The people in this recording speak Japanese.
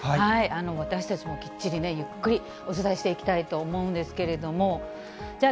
私たちもきっちりね、ゆっくりお伝えしていきたいと思うんですけれども、じゃあ、